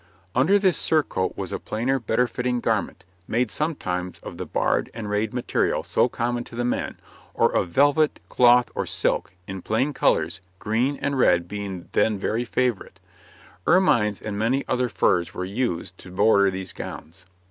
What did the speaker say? Under this surcoat was a plainer, better fitting garment, made sometimes of the barred and rayed material so common to the men, or of velvet, cloth, or silk, in plain colours, green and red being then very favourite; ermines and many other furs were used to border these gowns.